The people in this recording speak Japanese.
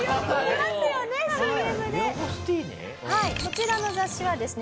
こちらの雑誌はですね